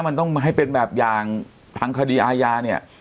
มันต้องให้เป็นแบบอย่างทางคดีอาญาเนี่ย